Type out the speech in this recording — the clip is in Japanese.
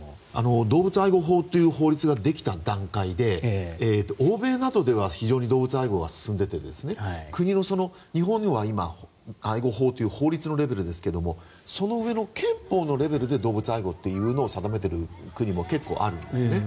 動物愛護法という法律ができた段階で欧米などでは非常に動物愛護は進んでて国の日本には今愛護法という法律のレベルですがその上の憲法のレベルで動物愛護というのを定めている国も結構あるんです。